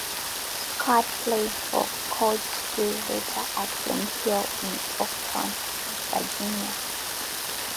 Scott played for Coach Stu Vetter at Flint Hill in Oakton, Virginia.